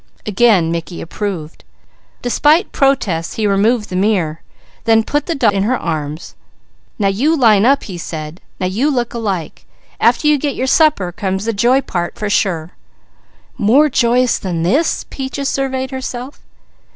Again Mickey approved. Despite protests he removed the mirror, then put the doll in her arms. "Now you line up," he said. "Now you look alike! After you get your supper, comes the joy part for sure." "More joyous than this?" Peaches surveyed herself.